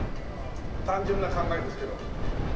単純な考えですけど。